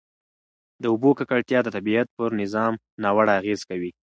د اوبو ککړتیا د طبیعت پر نظام ناوړه اغېز کوي.